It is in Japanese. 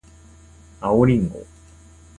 青りんご